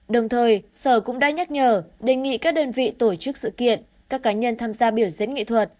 đồng thời sở cũng đã nhắc nhở đề nghị các đơn vị tổ chức sự kiện các cá nhân tham gia biểu diễn nghệ thuật